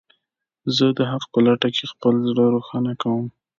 زه د حق په لټه کې خپل زړه روښانه کوم.